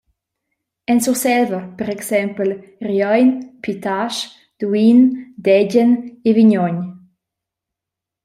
En Surselva per exempel Riein, Pitasch, Duin, Degen e Vignogn.